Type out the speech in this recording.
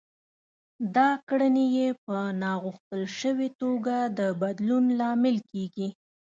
دا کړنې يې په ناغوښتل شوې توګه د بدلون لامل کېږي.